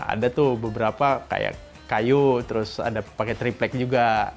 ada tuh beberapa kayak kayu terus ada pakai triplek juga